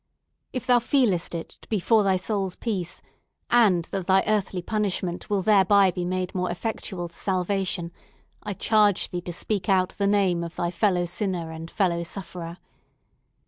If thou feelest it to be for thy soul's peace, and that thy earthly punishment will thereby be made more effectual to salvation, I charge thee to speak out the name of thy fellow sinner and fellow sufferer!